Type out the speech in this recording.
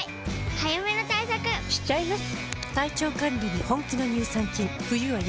早めの対策しちゃいます。